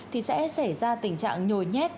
thì sẽ xảy ra tình trạng nhồi nhét